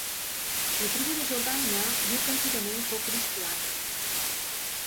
La tribu de Jordània diu que antigament fou cristiana.